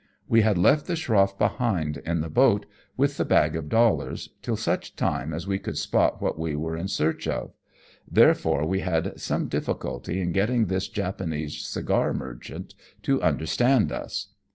We had left the schroff behind in the boat with the bag of dollars till such time as we could spot what we were in search of, therefore we had some difficulty in getting this Japanese cigar merchant to understand us.